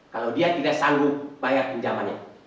kalau dia tidak sanggup bayar pinjamannya